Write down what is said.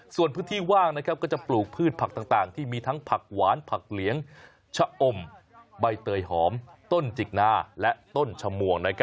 ส่วนพื้นที่ว่างก็จะปลูกพืชผักต่างที่มีทั้งผักหวานผักเหลียงชะอมใบเตยหอมต้นจิกนาและต้นชมวง